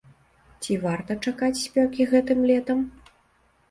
Ці варта чакаць спёкі гэтым летам?